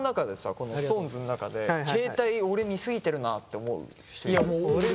このＳｉｘＴＯＮＥＳん中で携帯俺見過ぎてるなって思う人いる？